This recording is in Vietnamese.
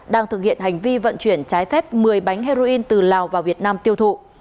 đang thực hiện hành vi vận chuyển trái phép một mươi bánh heroin từ lào vào việt nam tiêu thụ